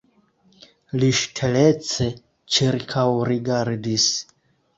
Li ŝtelece ĉirkaŭrigardis.